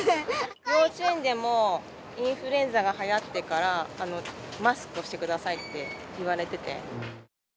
幼稚園でもインフルエンザがはやっているから、マスクをしてくださいって言われてて。